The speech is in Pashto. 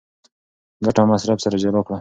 ګټه او مصرف سره جلا کړه.